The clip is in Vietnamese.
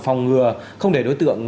phòng ngừa không để đối tượng